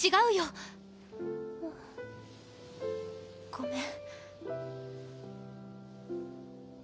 ごめん。